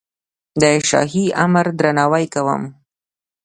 د شاهي امر درناوی کوم.